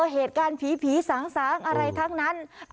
เหตุการณ์ผีสางอะไรทั้งนั้น